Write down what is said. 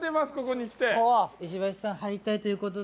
石橋さん、敗退ということで。